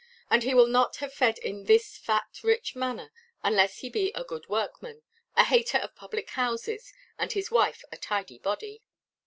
And he will not have fed in this fat rich manner unless he be a good workman, a hater of public–houses, and his wife a tidy body.